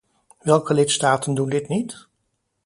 Welke lidstaten doen dit niet?